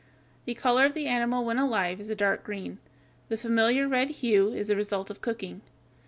The color of the animal when alive is a dark green. The familiar red hue is the result of cooking.